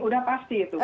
udah pasti itu